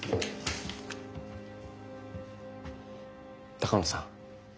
鷹野さん